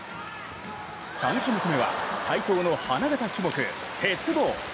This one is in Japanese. ３種目めは体操の花形種目、鉄棒。